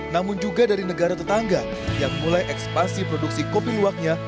namun juga dari negara tetangga yang mulai ekspansi produksi kopi luwaknya